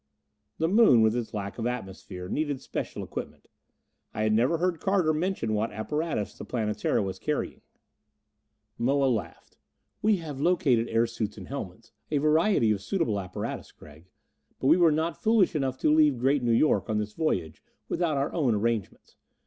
The Moon, with its lack of atmosphere, needed special equipment. I had never heard Carter mention what apparatus the Planetara was carrying. Moa laughed. "We have located air suits and helmets a variety of suitable apparatus, Gregg. But we were not foolish enough to leave Great New York on this voyage without our own arrangements.